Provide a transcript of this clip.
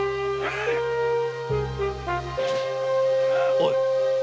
おい！